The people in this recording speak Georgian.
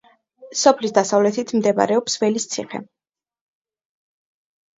სოფლის დასავლეთით მდებარეობს ველის ციხე.